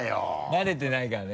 慣れてないからね。